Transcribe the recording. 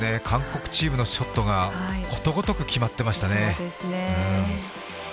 韓国チームのショットがことごとく決まっていましたね。